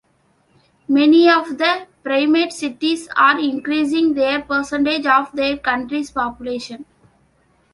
Many of the primate cities are increasing their percentage of their country's population.